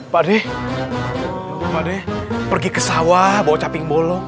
pak de pak de pergi ke sawah bawa caping bolong